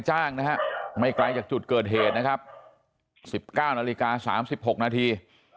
จ้างนะฮะไม่ไกลจากจุดเกิดเหตุนะครับ๑๙นาฬิกา๓๖นาที